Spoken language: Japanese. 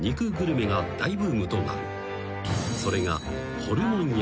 ［それが］